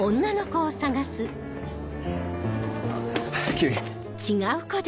君。